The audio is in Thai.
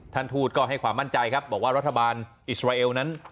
ทูตก็ให้ความมั่นใจครับบอกว่ารัฐบาลอิสราเอลนั้น